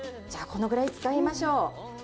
じゃあ、このぐらい使いましょう。